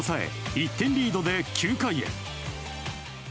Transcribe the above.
１点リードで９回へ。